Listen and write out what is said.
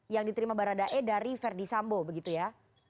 yang diterima baradae dari verdi sambo begitu ya